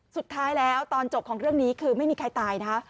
สุดท้ายแล้วตอนจบของเรื่องนี้คือไม่มีใครตายนะคะ